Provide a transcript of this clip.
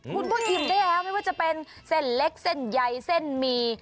คุณก็อิ่มได้แล้วไม่ว่าจะเป็นเส้นเล็กเส้นใยเส้นหมี่